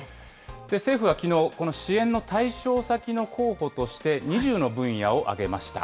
政府はきのう、この支援の対象先の候補として、２０の分野を挙げました。